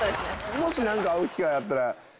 もし会う機会あったら。